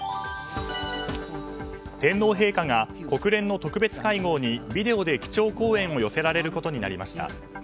天皇陛下が国連の特別会合にビデオで基調講演を寄せられることになりました。